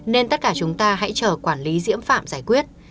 nên tất cả chúng ta hãy chờ quản lý diễm phạm giải quyết